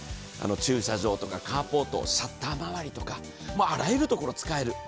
駐車場とかカーポート、シャッター周りとか、あらゆるところ、使える。